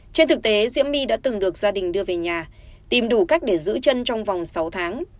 trên thực tế diễm my đã từng được gia đình đưa về nhà tìm đủ cách để giữ chân trong vòng sáu tháng